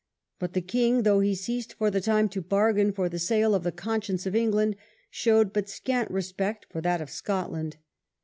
But the king, though he ceased for the time to bargain for the sale of the conscience of England, showed but scant re spect for that of Scotland.